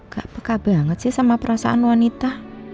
gak peka banget sih sama perasaan wanita